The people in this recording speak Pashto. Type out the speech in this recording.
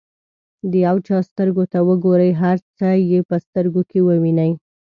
د یو چا سترګو ته وګورئ هر څه یې په سترګو کې ووینئ.